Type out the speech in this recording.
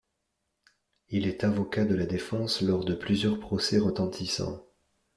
Il est avocat de la défense lors de plusieurs procès retentissants.